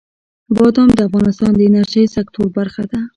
بادام د افغانستان د انرژۍ سکتور برخه ده.